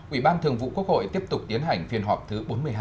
ủy ban thường vụ quốc hội tiếp tục tiến hành phiên họp thứ bốn mươi hai